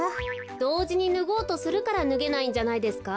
どうじにぬごうとするからぬげないんじゃないですか？